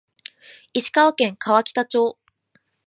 石川県川北町